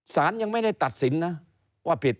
สารยังไม่ได้ตัดสินนะว่าผิด